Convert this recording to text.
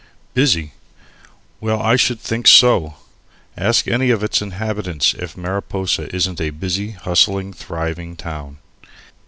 Busy well, I should think so! Ask any of its inhabitants if Mariposa isn't a busy, hustling, thriving town.